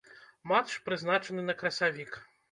Матч прызначаны на красавік.